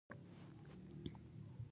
دا جهیلونه د سیندونو سرچینې جوړوي.